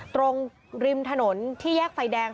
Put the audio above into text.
ตรงริมถนนที่แยกไฟแดง